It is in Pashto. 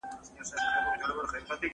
دا ناول د مینې او جګړې یو ترکیب دی.